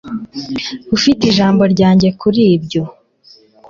ufite ijambo ryanjye kuri ibyo